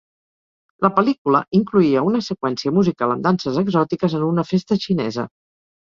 La pel·lícula incloïa una seqüència musical amb danses exòtiques en una festa xinesa.